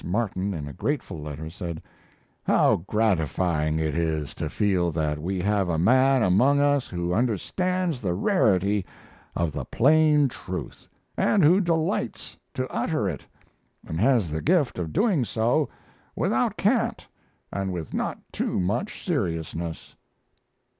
Martin, in a grateful letter, said: "How gratifying it is to feel that we have a man among us who understands the rarity of the plain truth, and who delights to utter it, and has the gift of doing so without cant and with not too much seriousness."